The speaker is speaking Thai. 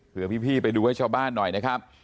เพื่อพี่ไปดูให้ชาวบ้านหน่อยนะครับ